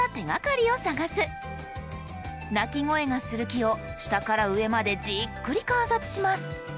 鳴き声がする木を下から上までじっくり観察します。